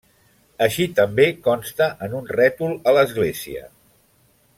Així també consta en un rètol a l'església.